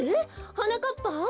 はなかっぱ？